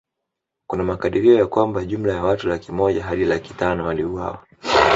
Kuna makadirio ya kwamba jumla ya watu laki moja hadi laki tano waliuawa